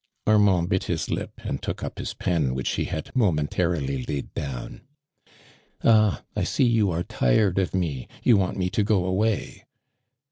Armand bit his lip and took up his pen which he had momentarily laid down. '<Ah! I see you are tired of me — you want me to go away